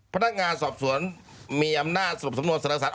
พนักงานสอบสวนมีอำนาจสำนวนสนักศาสน